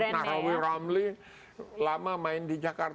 nah rawi ramli lama main di jakarta